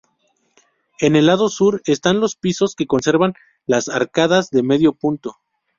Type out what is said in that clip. En el lado sur están los pisos que conservan las arcadas de medio punto.